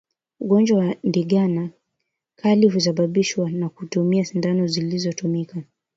Ugonjwa wa ndigana kali husababishwa na kutumia sindano zilizotumika